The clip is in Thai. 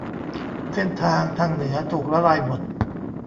เส้นทางทางเหนือถูกละลายหมด